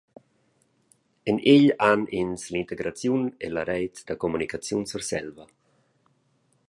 En egl han ins l’integraziun ella Reit da communicaziun Surselva.